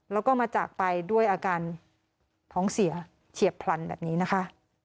แล้วก็มาจากไปด้วยอาการท้องเสียเฉียบพลันแบบนี้นะคะ